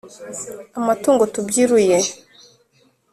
Amatungo tubyiruye